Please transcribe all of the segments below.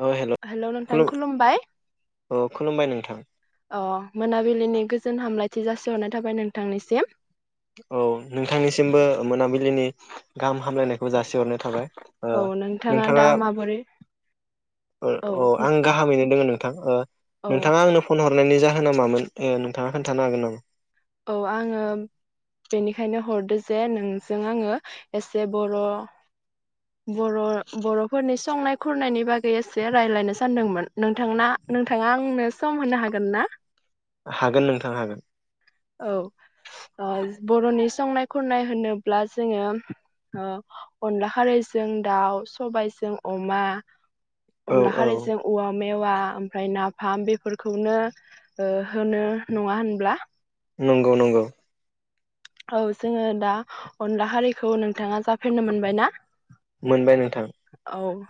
अ हेल' hello नोंथां खुलुम खुलुमबाय अ खुलुमबाय नोंथां अ मोनाबिलिनि गोजोन हामलाय जासि हरनाय थाबाय नोंथांनिसिम। औ नोंथांनिसिमबो मोनाबिलिनि गाहाम हामलायनायखौ जासिहरनाय थाबाय। ओ औ दा नोंथाङा माबोरै औ ओ अ आं गाहामैनो दोङो नो थां ओ औ नोंथाङा आंनो फन हद। नायनि जाहोनामोन नोंथाङा खोन्थानो हागोन नामा? औ आङो बेनिखायनो हरदो जे नोंजों आङो एसे बर बर बरफोरनि संनाय खुरनायनि बागै एसे रायज्लायनो सानदोंमोन नोंथांना नोंथाङा आंनो सम होनो हागोन ना? हागोन नोंथां हागोन। औ अ बरनि संनाय खुरनाय होनोब्ला जोङो ओ अनला खारैजों दाउ सबायजों अमा औ अनला औ खारैजों उवा मे मेवा ओमफ्राय नाफाम बेफोरखौनो होनो नङा होनब्ला? नंगौ नंगौ। औ जोङो दा अनला हारिखौ नोंथाङा जाफेरनो मोनबाय ना? मोनबाय नोंथां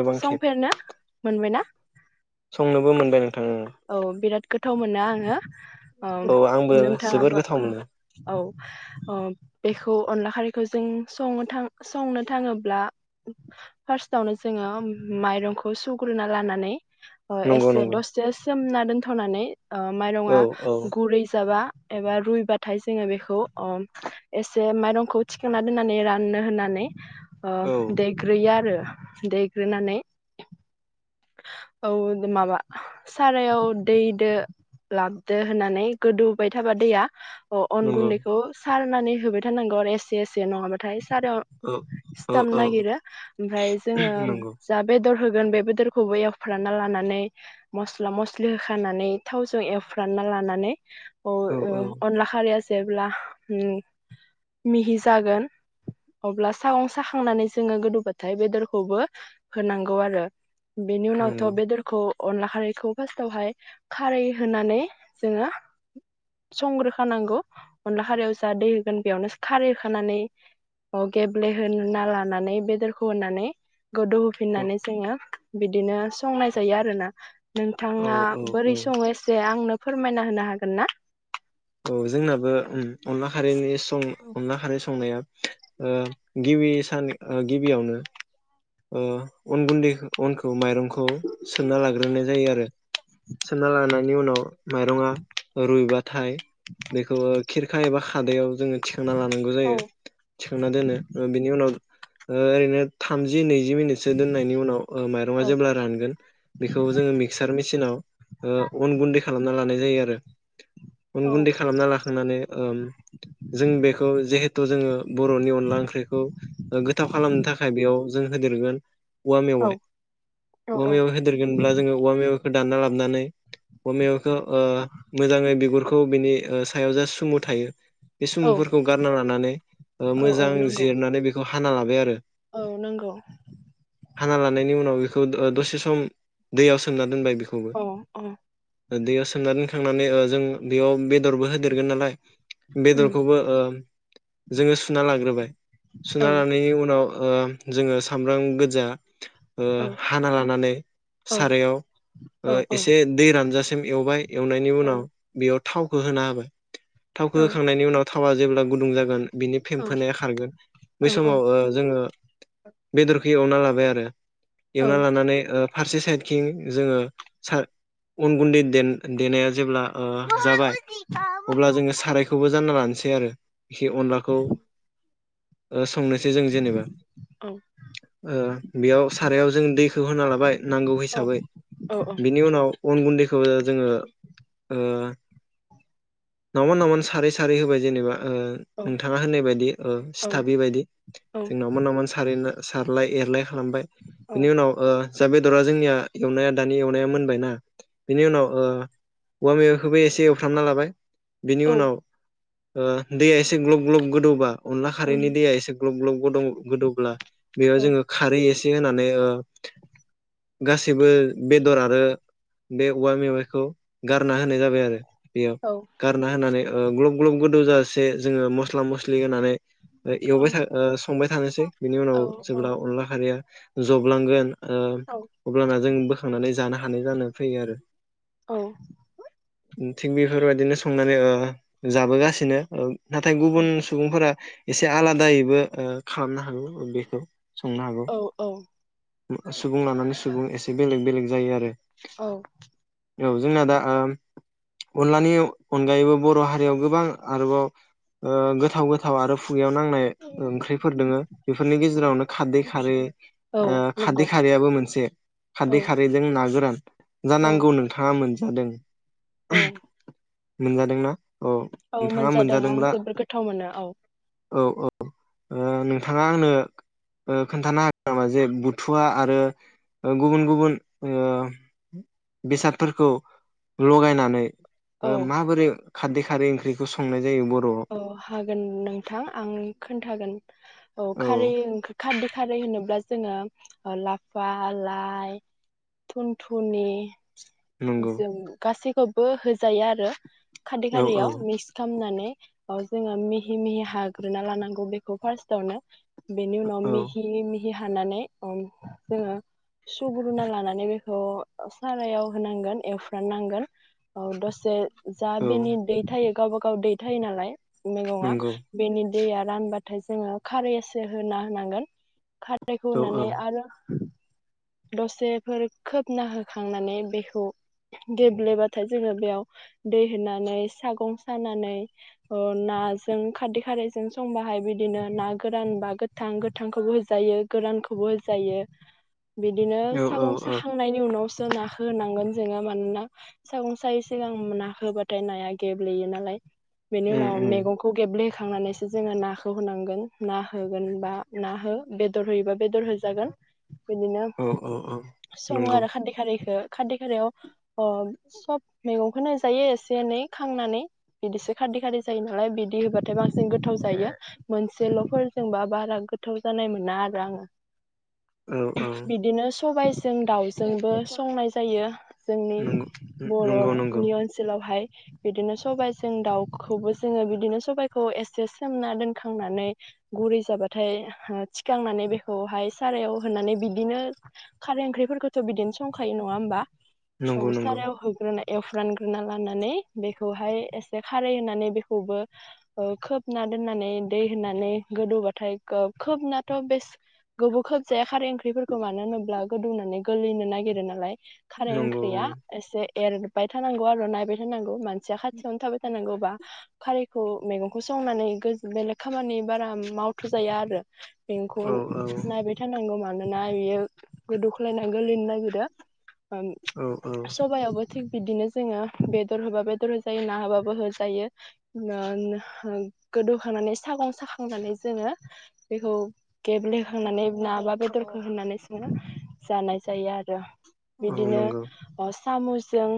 गोबां खेब। संफेरनो मोनबायना? संनोबो मोनबायनो औ बिराद गोथाव मोना आङो। औ आंबो जोबोर नोंथाङाबो गोथाव मोनो औ। अ बेखौ अनला खारैखौ जों सनो थां संनो थाङोब्ला फार्स्टआवनो जोङो माइरंखौ सुग्रोना लानानै अ नंगौ एसे नंगौ दससे ना दोनथ'नानै ओ औ माइरङा औ गुरै जाबा एबा रुइबाथाय जोङो बेखौ अ एसे माइरंखौ थिखांना दोननानै राननो होननानै अ औ देग्रोयो आरो देग्रोनानै औ माबा सारायाव दैदो लाबदो होननानै गोदौबाय थाबा दैया अ अन नंगौ गुन्दैखौ सारनानै होबाय थारनांगौ आरो एसे एसे नङाबाथाय सारायाव औ औ औ सिथाबनागिरो ओमफ्राय जोङो नंगौ जा बेदर होगोन बे बेदरखौबो एवफ्रानना लानानै मस्ला मस्लि होखानानै थावजों एवफ्रानना लानानै अ औ औ ओ अनला खारिया जेब्ला उम मिहि जागोन अब्ला सागं साखांनानै जोङो गोदौबाथाय बेदरखौबो होनांगौ आरो बेनि उनावथ' नंगौ बेदरखौ अनला खारैखौ फार्स्टावहाय खारै होनानै जोङो संग्रोखानांगौ अनला खारैयाव जा दै होगोन बेयावनो खारै होखानानै गेब्लेहोनि लानानै बेदरखौ होनानै गोदौ होफिननानै औ जोङो बिदिनो संनाय जायो आरोना नोंथाङा औ बोरै औ सङो एसे आंनो फोरमायना होनो हागोन ना? औ जोंनाबो उम अनला खारैनि सं अनला खारै संनाया ओ गिबि सान ओ गिबियावनो अन गुन्दै अनखौ माइरंखौ सोनना लाग्रोनाय जायो आरो सोनना लानायनि उनाव माइरङा रुइबाथाय बेखौ खिरखा एबा खादैयाव जोङो थिखांना लानांगौ औ जायो थिखांना दोनो ओ बिनि उनाव ओरैनो थामज दिनै जि मिनिटसो दोननायनि उनाव ओ माइरङा औ जेब्ला रानगोन बेखौ जोङो मिकसार मिसिनाव ओ अन गुनदै खालामना लानाय जायो आरो अन गुन्दै खालामना लाखांनानै ओम जों बेखौ जिहेथु जोङो बरनि अनला ओंख्रिखौ गोथाव खालामनो थाखाय बेयाव जों होदेरगोन औवा मेवाइ औ औ औवा मेवाइ होदेरगोनब्ला जोङो औवा मेव दानना लाबानै अ मेवाइखौ ओ मोजाङै बिगुरखौ बिनि ओ सायाव जा सुमु थायो बे औ सुमुफोरखौ गारना लानानै ओ औ मोजां नंगौ जिरनानै बेखौ हाना लाबाय आरो। औ नोंगौ। हाना लानायनि उनाव बेखौ द-दसे सम दैयाव सोमना दोनबाय। बेखौबो अ अ दैयाव सोमनानै दोनखांनानै ओ जों बेयाव बेदरबो होदेरगोन नालाय उम बेदरखौबो ओ जोङो सुना लाग्रोबाय। औ सुना लानायनि उनाव ओम जोङो सामब्राम गोज्जा ओ औ हाना लानानै औ सारायाव औ ओ एसे दै रानजासि [unintelligible] एवबाय एवनायनि औ उनाव बेयाव थावखो होना होबाय। थावखौ औ होखांनायनि उनाव थावा जेब्ला गुदुं जागोन बिनि फेम्फोनाया खारगोन बै औ औ समाव ओ जोङो बेदरखौ एवना लाबाय आरो। औ एवना लानानै ओ फारसे साइथखिं जोङो उनगुन्दै दोन देनाया जेब्ला ओ जाबाय औ अब्ला जोङो सारायखौबो जाना लानोसै। दे आरो। एसे अनलाखौ ओ संनोसै जों जेनेबा। ओ बेयाव सारायाव जों दैखौ होना लाबाय नांगौ हिसाबै औ बिनि उनाव अन गुन्दैखौ जोङो ओ नावमान नावमान सारै सारै होबाय जेनेबा ओ नोंथाङा होननाय बायदि ओ सिथाबै बायदि जों नावमान नावमान नो सारलाय एरलाय खा खालामबाय बिनि उनाव ओ जा बेदरा जोंनिया एवनाया दानि एवनाया मोनबायना बेनि उनाव ओ औवा मेवायखौबो एसे एवफ्रामना लाबाय। बिनि उनाव। ओ दैया एसे ग्लब ग्लब गोदौबा अनला खारिनि दैया एसे ग्लब ग्लब गदं ब्ला बेयाव जोङो खारै एसे दि होनानै ओ गासिबो बेदर आरो बे औवा मेवाइखौ गारना हो होनाय जाबाय आरो बेयाव गारना होनानै ओ ग्लब ग्लब गोदौ जासे जोङो मस्ला मस्लि होनानै एवबाय था ओ संबाय थानोसै। बिनि उनाव औ जेब्ला अनला खारिया जबलांगोन। ओ औ अब्लाना जों बोखांनानै जानो हानाय जानो फैयो आरो। औ थिग बेफोरबायदिनो संनानै ओ जाबोगासिनो। नाथाय औ गुबुन सुबुंफोरा एसे आलादायैबो ओ खालामनो हागो ओ बेखौ। संनो हागौ। औ औ सुबुं लानानै सुबुं एसे बेलेग बेलेग जायो आरो। औ औ जोंना आं दा अनलानि अनगायैबो बर हारियाव गोबां आरोबाव ओ गोथाव गोथाव आरो खुगायाव नांनाय ओंख्रिफोर दोङो। बेफोरनि गेजेरावनो खारदै खारै औ आ नंगौ खारदै खारैयाबो मोनसे औ खारदै खारैजों ना गोरान औ जानांगौ नोंथाङा मोनजादों। औ मोनजादोंना? औ औ नोंथाङा मोनजादों आं मोनजादोंब्ला जोबोद गोथाव मोनो औ। औ औ। थाङा आंनो औ खोनथानो हागोन नामा जे बुथुवा आरो औ गुबुन गुबुन ओ बेसादफोरखौ लगायनानै। औ माबोरै खारदै खारै ओंख्रिखौ संनाय जायो बर'आव औ हागोन नोंथां आं खोनथागोन। औ खारै खारदै खारै होनोब्ला दा जोङो लाफा लाइ थुनथुनि। नंगौ जों गासै खौबो होजायो आरो। खारदै औ औ खारियाव मिक्स खालामनानै। [inaudible] आव जोङो मिहि मिहि हाग्रोना लानांगौ बेखौ फार्स्टआवनो। बेनो उनाव औ मिहिलि मिहि हि हानानै जोङो सुग्रुना लानानै बेखौ सारायाव होनांगोन एवफ्राननांगोन दसे जा औ बिनि दै थायो गावबा गाव दै थायो नालाय। मेगङा नंगौ बेनि दैया रानबाथाय जोङो खारै एसे होना होनांगोन खारै औ रैखौ औ होनानै आरो दसेफोर खोबना होखांनानै बेखौ गेब्लेबाथाय जोङो बेयाव दै होनानै सागं सानानै अ नाजों खारदै खारैजों संबाहाय बिदिनो ना गोरान बा गोथां गोथांखौबो होजायो गोरानखौबो होजायो। बिदिनो औ औ सागं औ साखांनायनि उनाव नाखौ होनांगोन जोङो मानोना सागं सायै सिगां नाखो होबाथाय नाया गेब्लेयो नालाय। बेनि उम उनाव उम मेगंखौ गेब्ले होखांनानैसो जोङो नाखौ होनांगोन ना होगोन बा ना हो बेदर होयोबा बेदर होजागोन। बिदिनो औ औ औ सङो नंगौ आरो खारदै खारैखो। खार्दि खारिायाव अ सब मैगंखौनो होजायो एसे एनै खांनानै बिदिसो खार्दि खारै जायो नालाय बिदि होबाथाय बांसिन गोथाव जायो मोनसेल फोरजोंबा बारा गोथाव जानाय मोना आरो आङो। औ औ बिदिनो सबाय जों दाउजोंबो संनाय जायो। जोंनि नंगौ नंगौ नंगौ बरनि ओनसोलावहाय बिदिनो सबायाइजों दाउखौबो जोङो बिदिनो सबाइखौ एसे सोमना दोनखांनानै गुरै जाबाथाय थिखांनानै बेखौहाय सारायाव होननानै बिदिनो खारै ओंख्रिफोरखौथ बिदिनो संखायो नङा होमबा? औ नंगौ नंगौ सारायाव होग्रोनाय। एवफ्रानग्रोना लानानै बेखौहाय एसे खारै होनानै बेखौबो ओ खोबना दोननानै दै होनानै गोदौबाथाय ओ खोब खोबनाथ बेस गोबाव खोब खारै ओंख्रिफोरखौ मानो होनोब्ला? गुदुंनानै गोलैनो नागिरो नालाय। खाराइ नंगौ ओंख्रिया एसे एरबाय थानांगौ आरो नायबाय थानांगौ मान जा खाथियावनो थाबाय थानांगौ। बा खारिखौ मैगंखौ संनानै बेलेग खामानि बारा मावथ जायाआरो। बेंखौ औ औ नायबाय मानोना बेयो गोदौख्लायनानै गोलिनो नागिरो औ औ सबाइआबो थिग बिदिनो जोङो बेदर होबा बेदर होजायो ना होबाबो होजायो ओ उम गोदौखांनानै सागं साखांनानै जोङो बेखौ गेब्लेहोनानै नाबा बेदरखौ होननानै सोङो जानाय जायो आरो औ बिदिनो नंगौ ओ सामसजों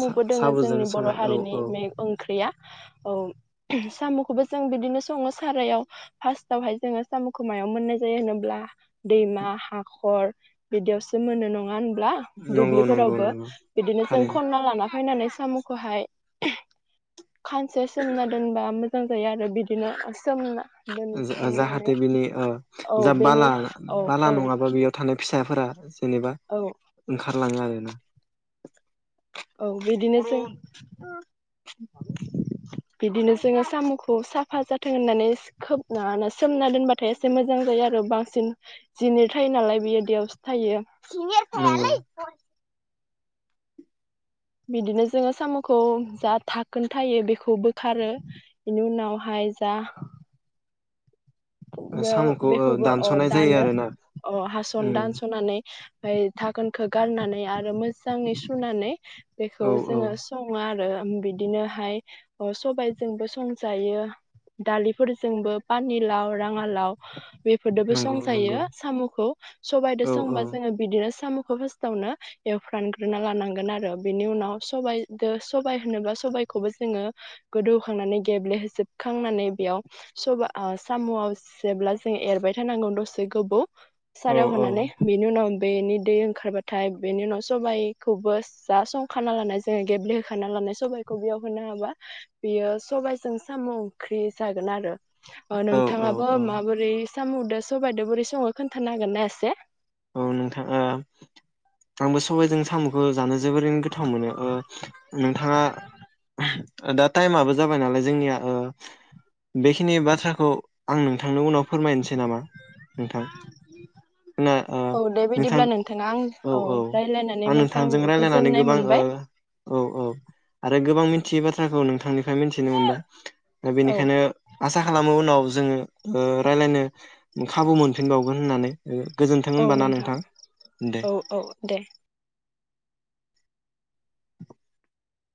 सा दोङो साबोजों जोंनि बर संनाय औ हारिनि औ बे ओंख्रिया औ सामखौबो जों बिदिनो सङो सारायाव फार्स्टावहाय जोङो सामखौ मायाव मोननाय होनोब्ला दैमा हाखर बिदियावसो मोननो नङा होन नंगौ नंगौ दुब्लिफोरावबो नंगौ बिदिनो जों थारैनो खनना लाना फायनानै सामखौहाय खानसे सोमना दोनबा मोजां जायो आरो बिदिनो सोमना दोनखांनानै जाहाथे बिनि औ जा बेनि बाला औ बाला औ नङाबा बेयाव थानो फिसाफोरा जेनेबा औ ओंखारलाङो आरोना। औ बिदिनो जों बिदिनो जोङो सामखौ साफा जाथों होननानै खोब सोमना दोनबाथाय एसे मोजां जायो आरो बांसिन जिनि थायो नालाय बेयो दैयावसो थायो नंगौ [unintelligible] बिदिनो जोङो सामखौ जा धाखोनथायायो बेखौ बोखारो बेनि उनावहाय जा बे साम'खौ ओ बेखौबो अ दानस'नाय जायो दानो आरोना अ हासन उम दानसनानै धाखोनखौ गारनानै आरो मोजाङै सुनानै बेखौ औ औ जोङो सङो आरो। बिदिनोहाय सबायजोंबो संजायो दालिफोरजोंबो पानि लाव राङालाव बे फोरदबो नंगौ नंगौ संजायो सामखौ सामखौ संबायदो औ औ जोङो बिदिनो सामखौ फार्स्टावनो एवफ्रानग्रोना लानांगोन आरो बेनि उनाव सबायदो सबाइ होनोब्ला सबाइखौबो जोङो गोदौखांनानै गेब्लेहोजोबखांनानै बेयाव सबाइ ओ साम जेब्ला जों एरबाय थानांगौ दसे गोबाव औ सारायाव होनानै बिनि उनाव बेनि दै ओंखारबाथाय बेनि उनाव सबायखौबो दा संखाना लानाय जोङो गेब्लेहोखाना लानाय सबखौ बेयाव होनो हाबा बियो सबाइजों साम ओंख्रि जागोन आरो अ नोंथाङा औ माबोरै सामजों सबाइजों बोरै सङो खोन्थानो हागोन ना एसे? औ नोंथां ओ आंबो सबायजों सामखौ जानो जोबोरैनो गोथाव मोनो ओ नोंथाङा दा टाइमाबो जाबाय नालाय जोंनिया ओ बेखिनि बाथ्राखौ आं नोंथांनि उनाव फोरमायनोसै नामा नोंथां ना औ दे नोंथां बिदिब्ला नोंथाङा आं औ रायलायनानै आं मोजां नोंथांजों रायलायनानै गोजोननाय गोबां मोनबाय ओ आरो गोबां मिथियै बा [unintelligible] खौ नोंथांनि मिनथिनो मोनबाय। दा औ बेनिखायनो आसा खालामो उनाव जोङो ओ रायलायनो खाबु मोनफिनबावगोन होननानै ओ गो औ नोंथां औ औ दे। [inaudible]